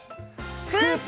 スクープ！